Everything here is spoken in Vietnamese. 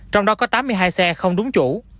trong đó có tám mươi hai xe không đúng chủ